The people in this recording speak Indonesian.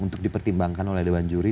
untuk dipertimbangkan oleh dewan juri